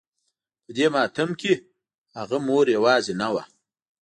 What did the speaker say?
په دې ماتم کې هغه مور يوازې نه وه.